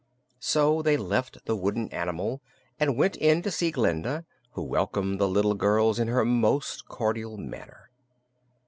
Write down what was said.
So they left the wooden animal and went in to see Glinda, who welcomed the little girls in her most cordial manner.